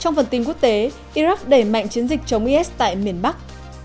trong phần tin quốc tế iraq đẩy mạnh chiến dịch chống is tại miền bắc